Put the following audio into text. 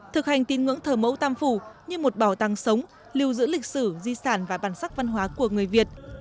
thực hành tín ngưỡng thờ mẫu tam phủ như một bảo tàng sống lưu giữ lịch sử di sản và bản sắc văn hóa của người việt